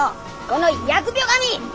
この疫病神！